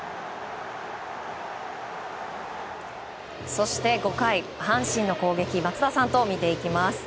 そして５回、阪神の攻撃松田さんと見ていきます。